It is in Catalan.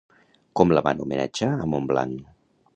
Com la van homenatjar a Montblanc?